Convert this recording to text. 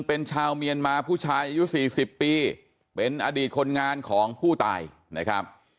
เป็นชาวเมียนมาผู้ชายอายุ๔๐ปีเป็นอดีตคนงานของผู้ตายนะครับ